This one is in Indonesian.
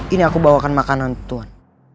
ini aku bawakan makanan tuhan